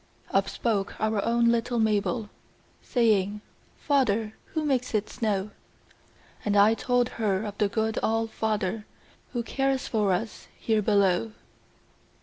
Up spoke our own little Mabel, Saying, 'Father, who makes it snow?' And I told of the good All father Who cares for us here below.